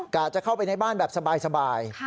จะเข้าไปในบ้านแบบสบาย